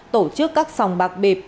tổ chức các sòng bạc bịp